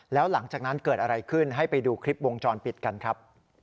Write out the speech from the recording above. แล้วหลังจากนั้นเกิดอะไรขึ้นให้ไปดูคลิปวงจรปิดกันครับ